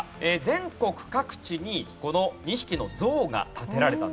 全国各地にこの２匹の像が建てられたんですね。